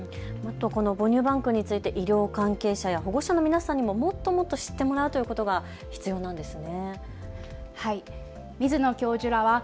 母乳バンクについて医療関係者や保護者の皆さんにももっともっと知ってもらうということが必要なんですね。